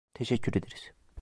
Teşekkür ederiz.